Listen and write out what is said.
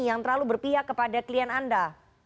yang terlalu berpihak kepada klien anda